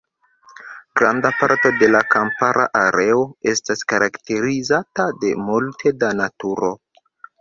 Granda parto de la kampara areo estas karakterizata de multe da naturo.